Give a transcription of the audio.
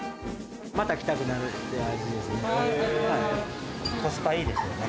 また来たくなるって味ですね。